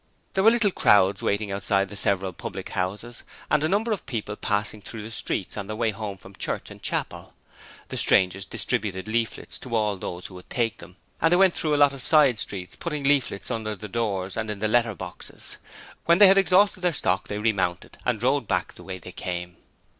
There were little crowds waiting outside the several public houses and a number of people passing through the streets on their way home from Church and Chapel. The strangers distributed leaflets to all those who would take them, and they went through a lot of the side streets, putting leaflets under the doors and in the letter boxes. When they had exhausted their stock they remounted and rode back the way they came.